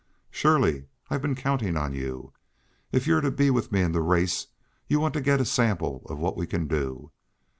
"Surely. I've been counting on you. If you're to be with me in the race, you want to get a sample of what we can do.